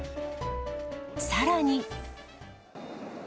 さらに。